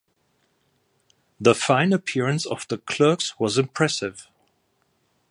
The fine appearance of the clerks was impressive.